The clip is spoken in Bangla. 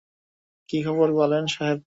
কী খবর, পালোয়ান সাহেব?